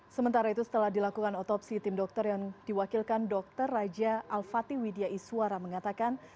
sementara itu setelah dilakukan otopsi tim dokter yang diwakilkan dr raja al fatih widya iswara mengatakan